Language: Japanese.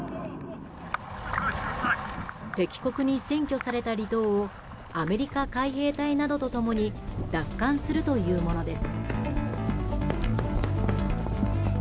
敵国に占拠された離島をアメリカ海兵隊などと共に奪還するというものです。